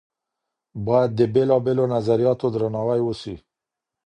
بايد د بېلابېلو نظرياتو درناوی وسي.